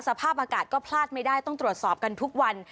สภาพอากาศก็พลาดไม่ได้ต้องตรวจสอบกันทุกวัน